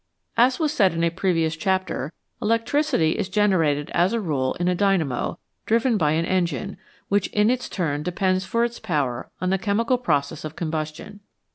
As was said in a previous chapter, electricity is gener ated as a rule in a dynamo, driven by an engine, which in its turn depends for its power on the chemical process of combustion.